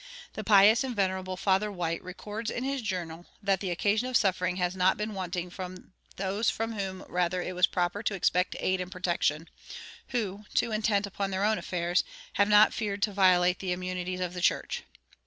The pious and venerable Father White records in his journal that "occasion of suffering has not been wanting from those from whom rather it was proper to expect aid and protection, who, too intent upon their own affairs, have not feared to violate the immunities of the church."